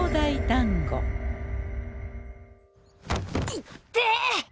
いってえ！